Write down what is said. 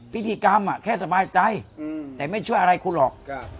พิธีกรรมแค่สบายใจแต่ไม่ช่วยอะไรคุณหรอก